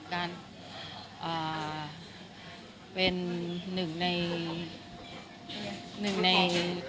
การเป็นหนึ่งใน